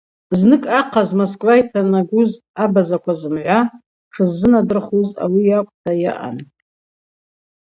Зныкӏ ахъаз Москва йтанагуз абазаква зымгӏва тшыззынадырхуз ауи йакӏвта йаъан.